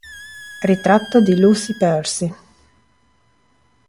Ritratto di Lucy Percy